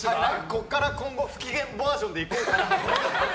ここから今後不機嫌バージョンでいこうかなと。